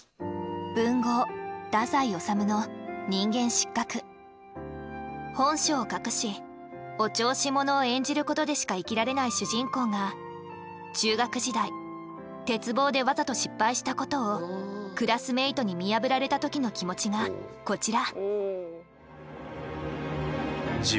文豪本性を隠しお調子者を演じることでしか生きられない主人公が中学時代鉄棒でわざと失敗したことをクラスメートに見破られた時の気持ちがこちら。